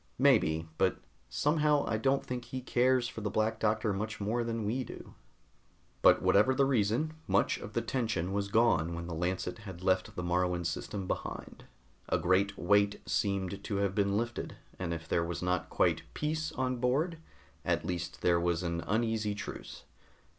"Maybe but somehow I don't think he cares for the Black Doctor much more than we do." But whatever the reason, much of the tension was gone when the Lancet had left the Moruan system behind. A great weight seemed to have been lifted, and if there was not quite peace on board, at least there was an uneasy truce.